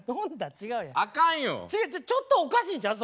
違う違うちょっとおかしいんちゃうん？